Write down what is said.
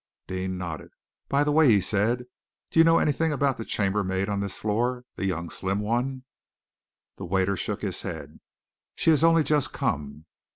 Deane nodded. "By the way," he said, "do you know anything about the chambermaid on this floor the young, slim one?" The waiter shook his head. "She has only just come."